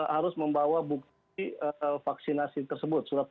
harus membawa bukti vaksinasi tersebut